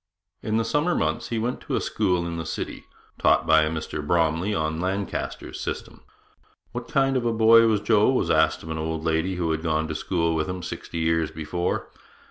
In the summer months he went to a school in the city, taught by a Mr Bromley on Lancaster's system. 'What kind of a boy was Joe?' was asked of an old lady who had gone to school with him sixty years before.